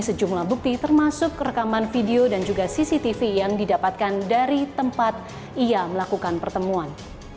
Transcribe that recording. sejumlah bukti termasuk rekaman video dan juga cctv yang didapatkan dari tempat ia melakukan pertemuan